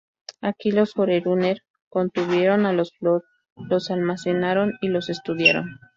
Aquí los Forerunner contuvieron a los Flood, los almacenaron y los estudiaron.